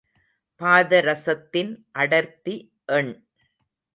பாதரசத்தின் அடர்த்தி எண்